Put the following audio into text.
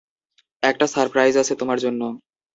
একটা সারপ্রাইজ আছে তোমার জন্য।